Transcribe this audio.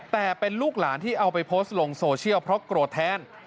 แต่เป็นลูกหลานที่เอาไปโพสต์ลงโซเชียลเพราะโกรธแทน